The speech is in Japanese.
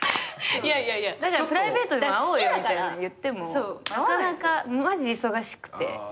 だからプライベートでも会おうよみたいに言ってもなかなかマジ忙しくて。